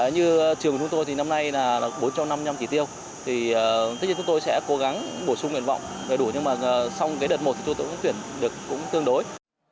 như trường của chúng tôi thì năm nay là bốn trăm năm mươi năm chỉ tiêu thì tất nhiên chúng tôi sẽ cố gắng bổ sung nguyện vọng đầy đủ nhưng mà xong cái đợt một thì chúng tôi cũng tuyển được cũng tương đối